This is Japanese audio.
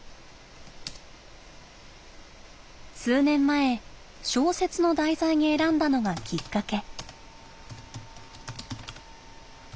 数年前小説の題材に選んだのがきっかけ。